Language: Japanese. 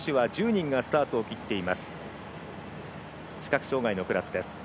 視覚障がいのクラスです。